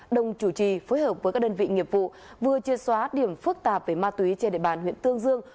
đồng chủ trì phối hợp với các đơn vị nghiệp vụ vừa chia xóa điểm phức tạp về ma túy trên địa bàn huyện tương dương